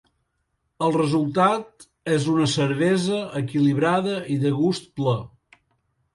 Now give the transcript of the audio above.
El resultat és una cervesa equilibrada i de gust ple.